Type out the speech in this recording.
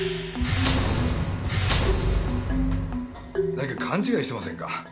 何か勘違いしてませんか？